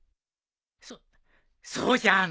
そそうじゃの。